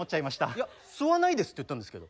いや「吸わないです」って言ったんですけど。